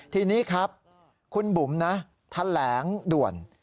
ทีนี้ครับคุณบุ๋มนะแถลงด่วน